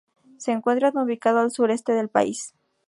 Se encuentra ubicado al sureste del país.